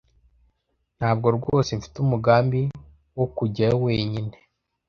Ntabwo rwose mfite umugambi wo kujyayo wenyine.